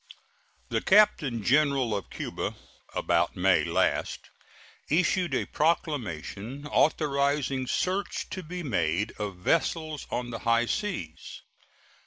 The Captain General of Cuba about May last issued a proclamation authorizing search to be made of vessels on the high seas.